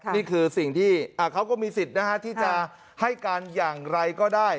นี่คือสิ่งที่เขาก็มีสิทธิ์นะฮะที่จะให้การอย่างไรก็ได้